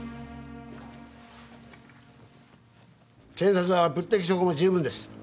検察は物的証拠も十分です。